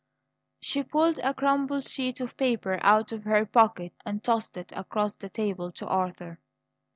She pulled a crumpled sheet of paper out of her pocket and tossed it across the table to Arthur.